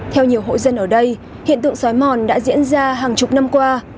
theo nhiều hộ dân ở đây hiện tượng xói mòn đã diễn ra hàng chục năm qua